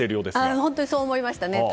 本当にそう思いました。